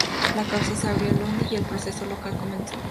La causa se abrió en Lodi y el proceso local comenzó.